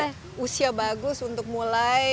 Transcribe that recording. dan ini usia bagus untuk mulai